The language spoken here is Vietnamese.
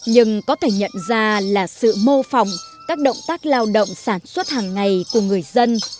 nhưng có thể nhận ra là sự mô phỏng các động tác lao động sản xuất hàng ngày của người dân